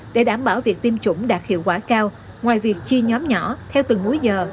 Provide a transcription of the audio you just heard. để đảm bảo việc tiêm chủng đạt hiệu quả cao ngoài việc chia nhóm nhỏ theo từng múi giờ